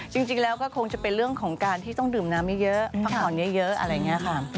จริงแล้วก็คงจะเป็นเรื่องของการที่ต้องดื่มน้ำเยอะพักผ่อนเยอะอะไรอย่างนี้ค่ะ